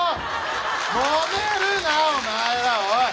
もめるなお前らおい。